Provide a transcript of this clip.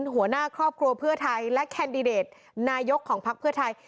หัวหน้าครอบครัวเพื่อไทยและแคนดิเดตนายกของพักเพื่อไทย